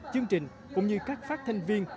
chương trình cũng như các phát thanh viên